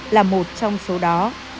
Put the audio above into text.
là một trong số đó